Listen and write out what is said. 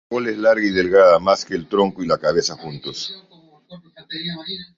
La cola es larga y delgada, más que el tronco y la cabeza juntos.